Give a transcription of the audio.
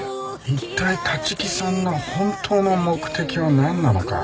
一体立木さんの本当の目的はなんなのか？